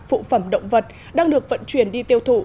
phụ phẩm động vật đang được vận chuyển đi tiêu thụ